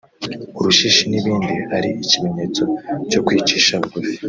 urushishi n’ibindi ari ikimenyetso cyo kwicisha bugufi